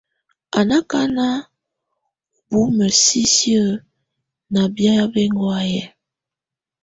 Á na akana ubumǝ sisi ná biayɛ bɛkɔ̀áyɛ.